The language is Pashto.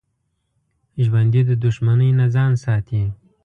ژوندي د دښمنۍ نه ځان ساتي